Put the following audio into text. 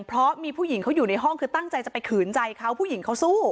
เพราะมีผู้หญิงเขาอยู่ในห้องคือตั้งใจจะไปขืนใจเขาผู้หญิงเขาสู้